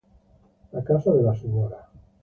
La casa de la Sra.